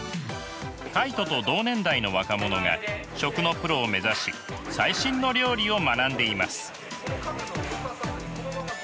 カイトと同年代の若者が食のプロを目指し最新の料理を学んでいます。